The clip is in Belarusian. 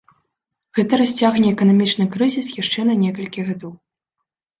Гэта расцягне эканамічны крызіс яшчэ на некалькі гадоў.